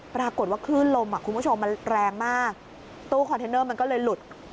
ปรากฏว่าคลื่นลมคุณผู้ชมมันแรงมากตู้คอนเทนเนอร์มันก็เลยหลุด